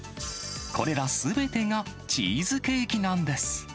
これらすべてがチーズケーキなんです。